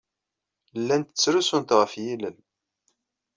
Llant ttrusunt ɣef yilel.